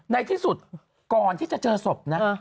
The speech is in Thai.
ในที่สุดก่อนที่จะเจอศพนะ